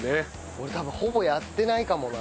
俺多分ほぼやってないかもな。